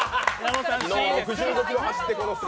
６５ｋｍ走ってこの姿。